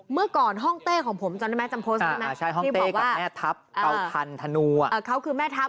เมื่อก่อนห้องเต้ของผมจำได้ไหมจำโพสไหมที่บอกว่าเขาคือแม่ทัพ